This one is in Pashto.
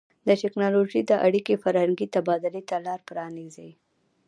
د ټیکنالوژۍ دا اړیکې فرهنګي تبادلې ته لار پرانیزي.